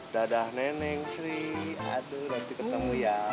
dadah neneng sri aduh nanti ketemu ya